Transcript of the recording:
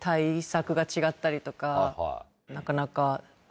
なかなか。